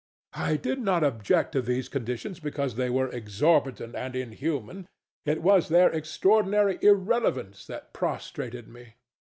I did not object to these conditions because they were exorbitant and inhuman: it was their extraordinary irrelevance that prostrated me.